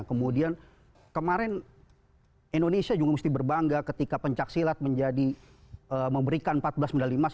kemudian kemarin indonesia juga mesti berbangga ketika pencaksilat menjadi memberikan empat belas medali emas